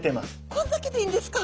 これだけでいいんですか？